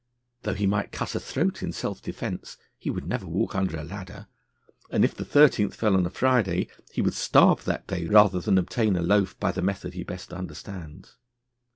Though he might cut a throat in self defence, he would never walk under a ladder; and if the 13th fell on a Friday, he would starve that day rather than obtain a loaf by the method he best understands.